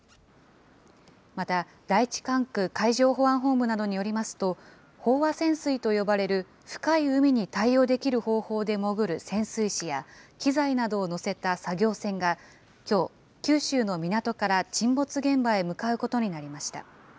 また、第１管区海上保安本部などによりますと、飽和潜水と呼ばれる深い海に対応できる方法で潜る潜水士や、機材などを載せた作業船が、きょう、九州の港から沈没現場へ向かうことになりました。